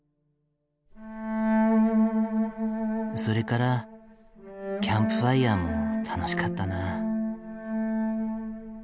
それからキャンプファイアも楽しかったなあ。